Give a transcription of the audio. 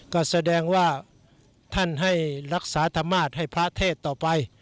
ก็แสดงว่าท่านให้รักษาธรรมาศให้พระเทศต่อไป